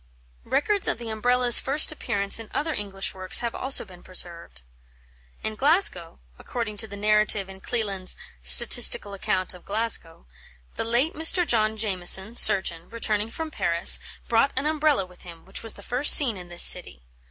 Records of the Umbrella's first appearance in other English works have also been preserved. In Glasgow (according to the narrative in Cleland's "Statistical Account of Glasgow ") "the late Mr. John Jamieson, surgeon, returning from Paris, brought an Umbrella with him, which was the first seen in this city.